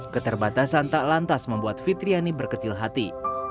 keterbatasan tak lantas membuat fitriani berkecil hati